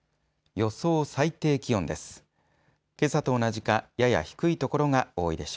予想最低気温です。